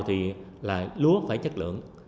thì là lúa phải chất lượng